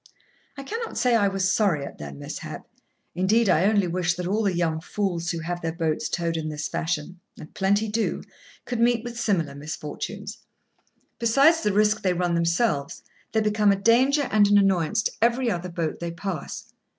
I cannot say I was sorry at their mishap. Indeed, I only wish that all the young fools who have their boats towed in this fashion—and plenty do—could meet with similar misfortunes. Besides the risk they run themselves, they become a danger and an annoyance to every other boat they pass.